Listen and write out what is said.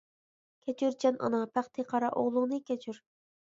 كەچۈر جان ئانا، بەختى قارا ئوغلۇڭنى كەچۈر!